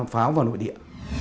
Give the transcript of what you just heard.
pháo vào nội địa